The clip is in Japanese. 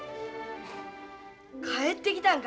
帰ってきたんか？